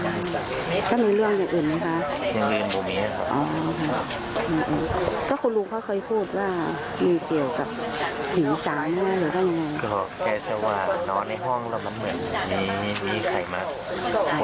แล้วก็มีเรื่องอย่างอื่นไหมคะมีเรื่องอย่างบุหรือไหมครับ